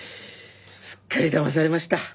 すっかり騙されました。